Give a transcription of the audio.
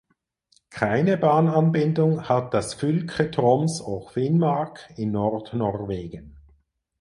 Keine Bahnanbindung hat das Fylke Troms og Finnmark in Nordnorwegen.